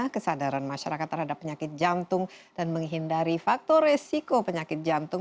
kesadaran masyarakat terhadap penyakit jantung dan menghindari faktor resiko penyakit jantung